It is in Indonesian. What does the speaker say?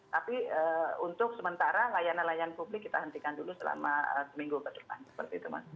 tapi untuk sementara layanan layanan publik kita hentikan dulu selama seminggu berturut turut